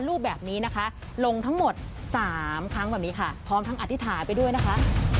รูปแบบนี้นะคะลงทั้งหมด๓ครั้งแบบนี้ค่ะพร้อมทั้งอธิษฐานไปด้วยนะคะ